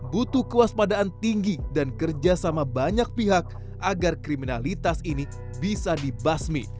butuh kewaspadaan tinggi dan kerjasama banyak pihak agar kriminalitas ini bisa dibasmi